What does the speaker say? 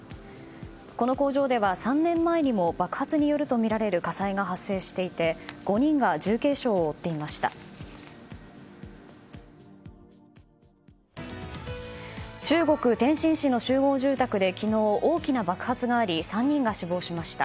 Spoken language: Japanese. この工場では３年前にも爆発によるとみられる火災が発生していて５人が重軽傷を負っていました。